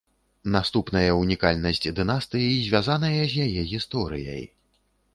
Наступная унікальнасць дынастыі звязаная з яе гісторыяй.